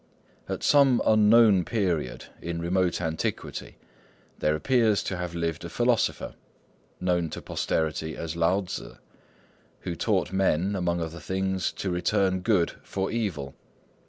At some unknown period in remote antiquity, there appears to have lived a philosopher, known to posterity as Lao Tzŭ, who taught men, among other things, to return good for evil.